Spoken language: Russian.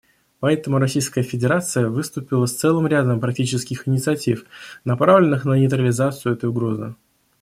Поэтому Российская Федерация выступила с целым рядом практических инициатив, направленных на нейтрализацию этой угрозы.